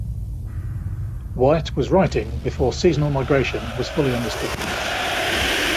White was writing before seasonal migration was fully understood.